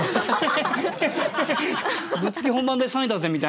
「ぶっつけ本番で３位だぜ」みたいな。